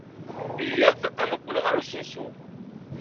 Iyyat ad neqqel ɣer usensu.